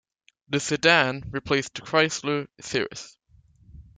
The sedan replaced the Chrysler Cirrus.